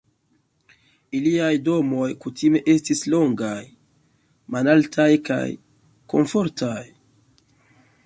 Iliaj domoj kutime estis longaj, malaltaj kaj komfortaj.